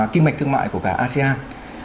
kinh mạch thương mại của cả asean